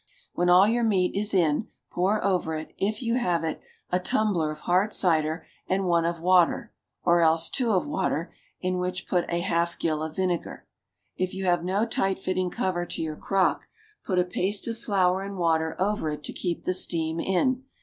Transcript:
When all your meat is in pour over it, if you have it, a tumbler of hard cider and one of water, or else two of water, in which put a half gill of vinegar. If you have no tight fitting cover to your crock, put a paste of flour and water over it to keep the steam in.